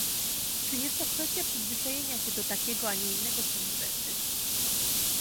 Czy jest to kwestia przyzwyczajenia się do takiego, a nie innego stanu rzeczy?